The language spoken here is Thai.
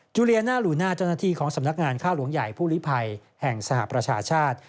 เลียน่าลูน่าเจ้าหน้าที่ของสำนักงานค่าหลวงใหญ่ผู้ลิภัยแห่งสหประชาชาติ